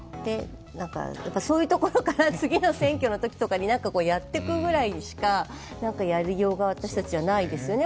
そういうところから次の選挙のときとかに何かやっていくぐらいしか、やりようが私たちはないですよね。